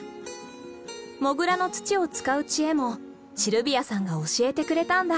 モグラの土を使う知恵もシルビアさんが教えてくれたんだ。